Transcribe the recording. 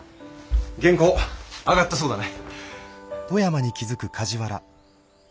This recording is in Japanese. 原稿あがったそうだね。